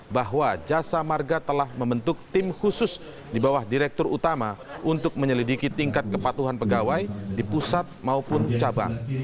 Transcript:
bahwa jasa marga telah membentuk tim khusus di bawah direktur utama untuk menyelidiki tingkat kepatuhan pegawai di pusat maupun cabang